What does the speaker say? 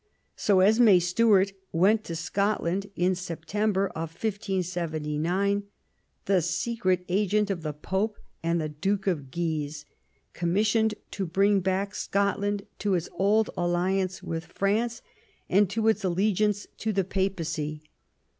So Esme Stuart went to Scotland in September, 1579, ^^e secret agent of the f^ope and the Duke of Guise, commissioned to bring back Scotland to its old alliance with France, and to its allegiance to the Papacy.